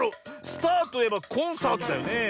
スターといえばコンサートだよねえ。